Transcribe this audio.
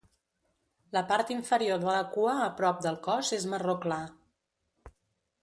La part inferior de la cua a prop del cos és marró clar.